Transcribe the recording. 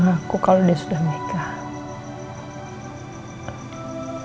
dia gak ngaku kalau dia sudah menikah